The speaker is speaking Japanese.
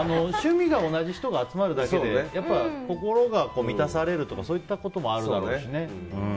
趣味が同じ人が集まるだけでやっぱ、心が満たされるとかそういったこともあるだろうしね。